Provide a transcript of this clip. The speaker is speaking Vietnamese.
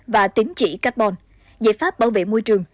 và tính chỉ carbon giải pháp bảo vệ môi trường